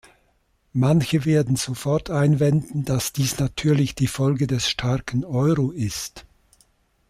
Manche werden sofort einwenden, dass dies natürlich die Folge des starken Euro ist.